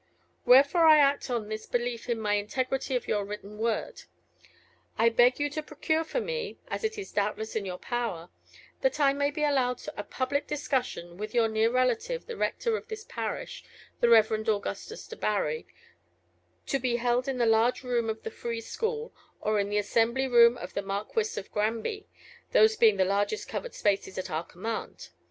Wherefore I act on this my belief in the integrity of your written word; I beg you to procure for me (as it is doubtless in your power) that I may be allowed a public discussion with your near relative, the rector of this parish, the Reverend Augustus Debarry, to be held in the large room of the Free School, or in the Assembly Room of the Marquis of Granby, these being the largest covered spaces at our command.